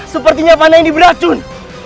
sepertinya panah ini beracun